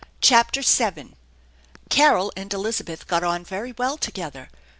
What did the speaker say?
CHAPTER VII CAROL and Elizabeth got on very well together.